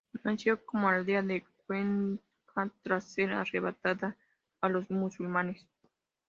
Nació como aldea de Cuenca tras ser arrebatada a los musulmanes.